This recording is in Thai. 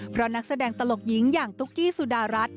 เพราะนักแสดงตลกหญิงอย่างตุ๊กกี้สุดารัฐ